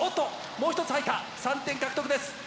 もう１つ入った３点獲得です。